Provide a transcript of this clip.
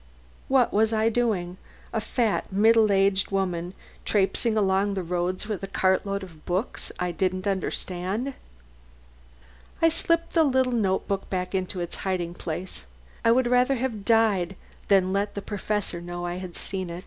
What was I doing a fat, middle aged woman trapesing along the roads with a cartload of books I didn't understand? I slipped the little notebook back into its hiding place. I would have died rather than let the Professor know I had seen it.